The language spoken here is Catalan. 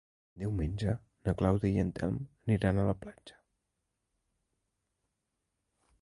Diumenge na Clàudia i en Telm aniran a la platja.